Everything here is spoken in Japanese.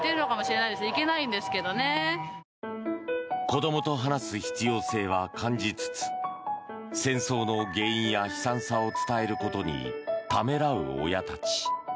子どもと話す必要性は感じつつ戦争の原因や悲惨さを伝えることにためらう親たち。